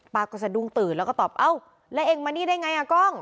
ก็สะดุ้งตื่นแล้วก็ตอบเอ้าแล้วเองมานี่ได้ไงอ่ะกล้อง